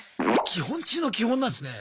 基本中の基本なんですね。